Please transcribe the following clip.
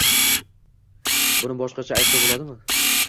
Buni boshqacha aytsa bo'ladimi?